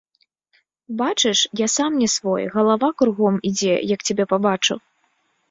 Бачыш, я сам не свой, галава кругом ідзе, як цябе пабачу.